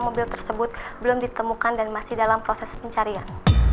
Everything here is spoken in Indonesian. mobil tersebut belum ditemukan dan masih dalam proses pencarian